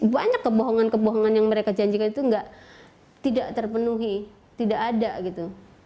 banyak kebohongan kebohongan yang mereka janjikan itu tidak terpenuhi tidak ada gitu